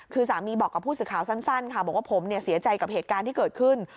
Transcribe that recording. คือสามีบอกกับผู้สื่อข่าวสั้นค่ะบอกว่าผมเสียใจกับเหตุการณ์ที่เกิดขึ้น